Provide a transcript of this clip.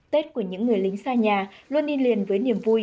tết của những người lính xa nhà luôn đi liền với niềm vui